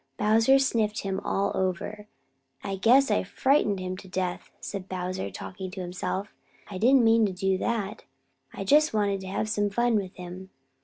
Bowser sniffed him all over. "I guess I've frightened him to death," said Bowser, talking to himself. "I didn't mean to do that. I just wanted to have some fun with him."